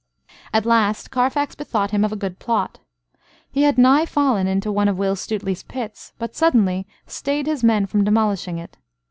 At last Carfax bethought him of a good plot. He had nigh fallen into one of Will Stuteley's pits, but suddenly stayed his men from demolishing it.